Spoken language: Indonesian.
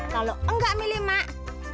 kalau enggak milih mak